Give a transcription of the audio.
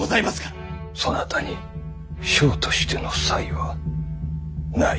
そなたに将としての才はない。